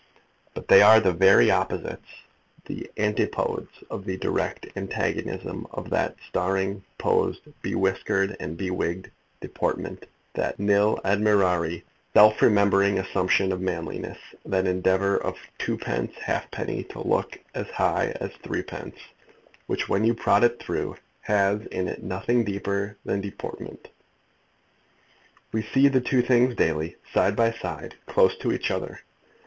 But they are the very opposites, the antipodes, the direct antagonism, of that staring, posed, bewhiskered and bewigged deportment, that nil admirari, self remembering assumption of manliness, that endeavour of twopence halfpenny to look as high as threepence, which, when you prod it through, has in it nothing deeper than deportment. We see the two things daily, side by side, close to each other.